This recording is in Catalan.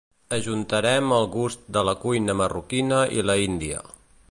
Ajuntarem el gust de la cuina marroquina i la índia.